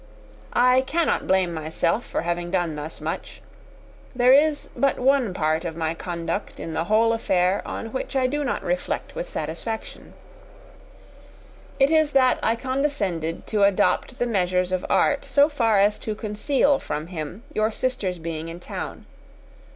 I cannot blame myself for having done thus much. There is but one part of my conduct, in the whole affair, on which I do not reflect with satisfaction; it is that I condescended to adopt the measures of art so far as to conceal from him your sister's being in town.